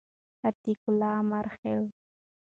عتیق الله امرخیل